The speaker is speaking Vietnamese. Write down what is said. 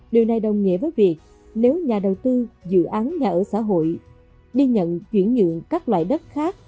điều này đồng nghĩa với việc nếu nhà đầu tư dự án nhà ở xã hội đi nhận chuyển nhượng các loại đất khác